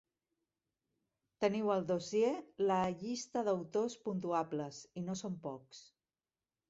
Teniu al dossier la llista d'autors puntuables, i no són pocs.